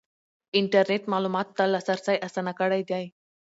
انټرنیټ معلوماتو ته لاسرسی اسانه کړی دی.